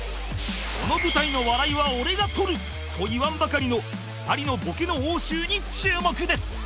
この舞台の笑いは俺が取る！と言わんばかりの２人のボケの応酬に注目です